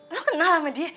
lo kenal sama dia